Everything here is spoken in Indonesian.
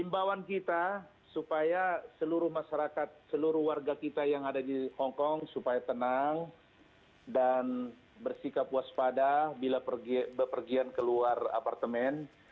imbauan kita supaya seluruh masyarakat seluruh warga kita yang ada di hongkong supaya tenang dan bersikap waspada bila berpergian keluar apartemen